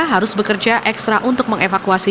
harus bekerja ekstra untuk mengevakuasi